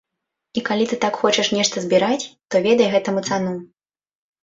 І калі ты так хочаш нешта збіраць, то ведай гэтаму цану.